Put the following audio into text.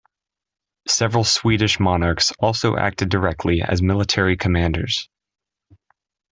Several Swedish monarchs also acted directly as military commanders.